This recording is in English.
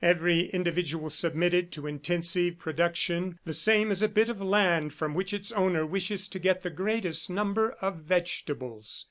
Every individual submitted to intensive production, the same as a bit of land from which its owner wishes to get the greatest number of vegetables.